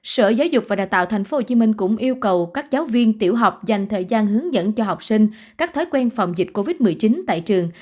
sở giáo dục và đào tạo tp hcm cũng yêu cầu các giáo viên tiểu học dành thời gian hướng dẫn cho học sinh các thói quen phòng dịch covid một mươi chín tại trường